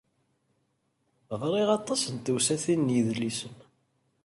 Ɣriɣ aṭas n tewsatin n yedlisen.